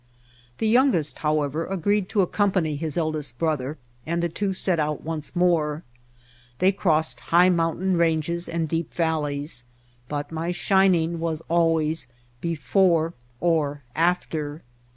The youngest, however, agreed to accompany his eldest brother and the two set out once more. They crossed high mountain ranges and deep valleys, but my shining was always before or after.